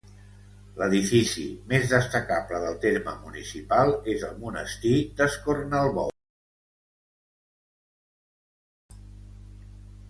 L'edifici més destacable del terme municipal és el Monestir d'Escornalbou.